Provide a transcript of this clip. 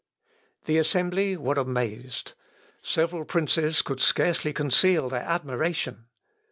] The assembly were amazed. Several princes could scarcely conceal their admiration.